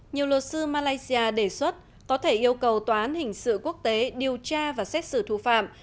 nhiều luật sư malaysia đề xuất có thể yêu cầu tòa án hình sự quốc tế điều tra và xét xử thủ phạm